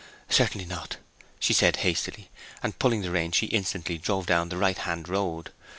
'Certainly not,' she said hastily, and pulling the rein she instantly drove down the right hand road.